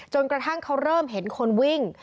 กระทั่งเขาเริ่มเห็นคนวิ่ง